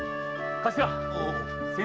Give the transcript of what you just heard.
頭！